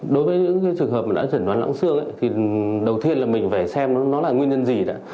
đối với những cái trường hợp mà đã trần đoán loãng xương thì đầu tiên là mình phải xem nó là nguyên nhân gì ạ